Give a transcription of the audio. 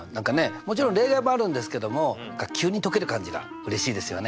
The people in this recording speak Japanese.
もちろん例外もあるんですけども急に解ける感じがうれしいですよね。